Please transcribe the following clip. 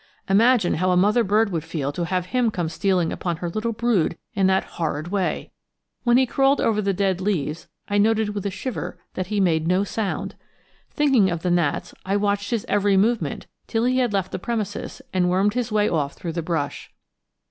Imagine how a mother bird would feel to have him come stealing upon her little brood in that horrid way! When he crawled over the dead leaves I noted with a shiver that he made no sound. Thinking of the gnats, I watched his every movement till he had left the premises and wormed his way off through the brush.